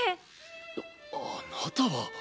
ああなたは。